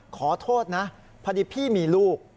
ขอโทษนะพอดีพี่มีลูก